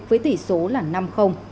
với tỷ số là năm